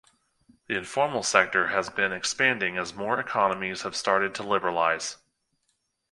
The informal sector has been expanding as more economies have started to liberalize.